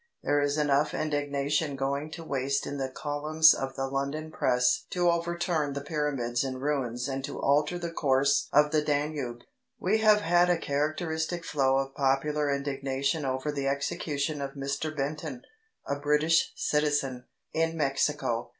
There is enough indignation going to waste in the columns of the London Press to overturn the Pyramids in ruins and to alter the course of the Danube. We have had a characteristic flow of popular indignation over the execution of Mr Benton, a British citizen, in Mexico.